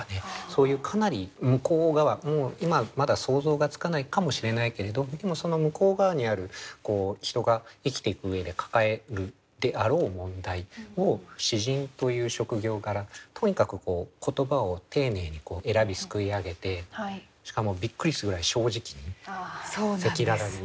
そういうかなり向こう側今はまだ想像がつかないかもしれないけれどその向こう側にある人が生きていく上で抱えるであろう問題を詩人という職業柄とにかく言葉を丁寧に選びすくい上げてしかもびっくりするぐらい正直に赤裸々に。